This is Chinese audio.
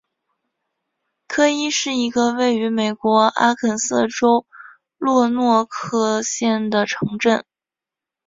科伊是一个位于美国阿肯色州洛诺克县的城镇。